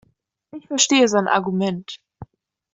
Ich verstehe sein Argument.